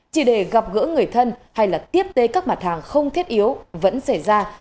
chỉ để gặp gỡ người thân hay là tiếp tế các mặt hàng không thiết yếu vẫn xảy ra